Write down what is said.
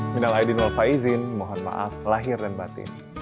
minal aidin walfaizin mohon maaf lahir dan batin